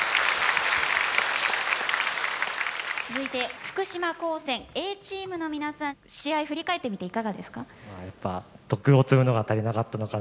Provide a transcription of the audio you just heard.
続いて福島高専Ａチームの皆さん試合振り返ってみていかがですか？